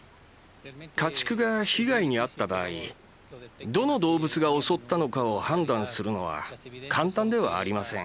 家畜が被害にあった場合どの動物が襲ったのかを判断するのは簡単ではありません。